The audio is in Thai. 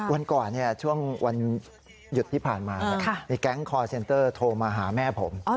วันก่อนช่วงวันหยุดที่ผ่านมามีแก๊งคอร์เซ็นเตอร์โทรมาหาแม่ผม